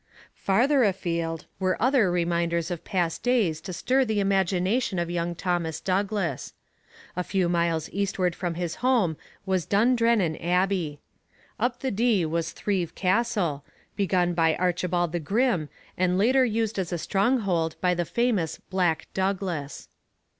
Farther afield were other reminders of past days to stir the imagination of young Thomas Douglas. A few miles eastward from his home was Dundrennan Abbey. Up the Dee was Thrieve Castle, begun by Archibald the Grim, and later used as a stronghold by the famous Black Douglas.